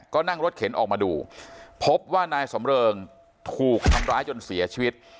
ก็นั่งรถเข็นออกมาดูพบว่านายสำเริงถูกทำร้ายจนเสียชีวิต